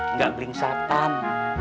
nggak beling satan